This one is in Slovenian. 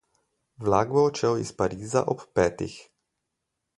Vlak bo odšel iz Pariza ob petih.